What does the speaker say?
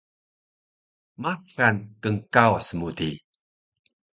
Maxal knkawas mu di